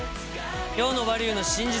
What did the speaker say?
今日の「バリューの真実」